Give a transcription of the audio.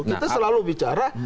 kita selalu bicara